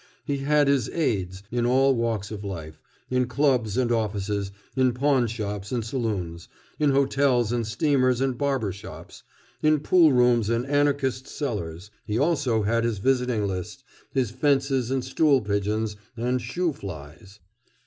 He had his aides in all walks of life, in clubs and offices, in pawnshops and saloons, in hotels and steamers and barber shops, in pool rooms and anarchists' cellars. He also had his visiting list, his "fences" and "stool pigeons" and "shoo flies."